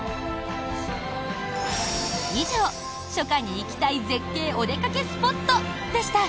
以上、初夏に行きたい絶景お出かけスポットでした！